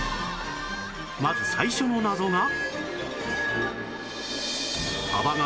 まず最初の謎が